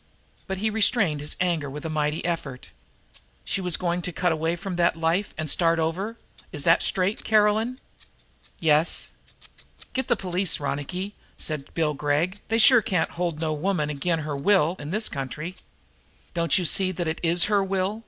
But he restrained his anger with a mighty effort. "She was going to cut away from that life and start over is that straight, Caroline?" "Yes." "Get the police, Ronicky," said Bill Gregg. "They sure can't hold no woman agin' her will in this country." "Don't you see that it is her will?"